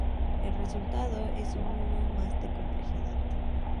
El resultado es aún más complejidad.